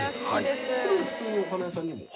普通にお花屋さんにも？